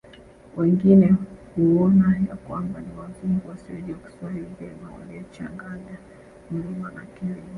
Wengine huona ya kwamba ni Wazungu wasiojua Kiswahili vema waliochanganya mlima na Kilima